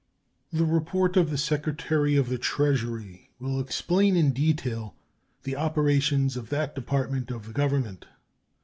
The report of the Secretary of the Treasury will explain in detail the operations of that Department of the Government.